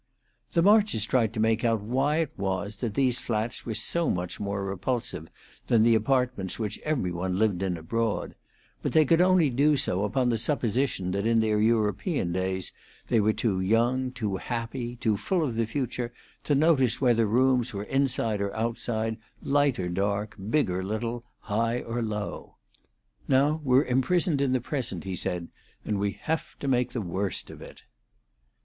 The Marches tried to make out why it was that these flats were so much more repulsive than the apartments which everyone lived in abroad; but they could only do so upon the supposition that in their European days they were too young, too happy, too full of the future, to notice whether rooms were inside or outside, light or dark, big or little, high or low. "Now we're imprisoned in the present," he said, "and we have to make the worst of it."